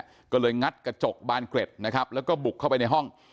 ก็เลยงัดกระจกบานเกร็ดนะครับแล้วก็บุกเข้าไปในห้อง